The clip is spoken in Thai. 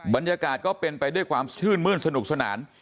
บรรยากาศก็เป็นไปด้วยความชื่นมื้นสนุกสนาน